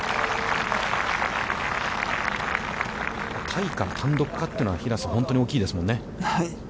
タイか単独かというのは平瀬さん、本当に大きいですよね。